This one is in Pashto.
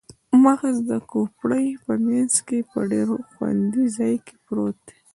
مغز د کوپړۍ په مینځ کې په ډیر خوندي ځای کې پروت دی